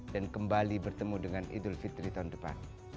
kembali bertemu dengan idul fitri tahun depan